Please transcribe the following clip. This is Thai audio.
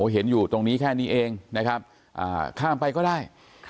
เห็นอยู่ตรงนี้แค่นี้เองนะครับข้ามไปก็ได้